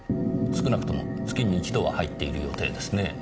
少なくとも月に一度は入っている予定ですねぇ。